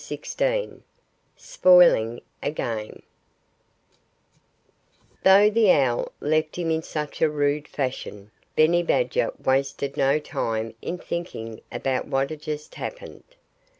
XVI SPOILING A GAME Though the owl left him in such a rude fashion, Benny Badger wasted no time in thinking about what had just happened.